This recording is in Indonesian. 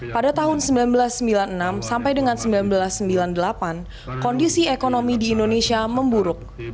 pada tahun seribu sembilan ratus sembilan puluh enam sampai dengan seribu sembilan ratus sembilan puluh delapan kondisi ekonomi di indonesia memburuk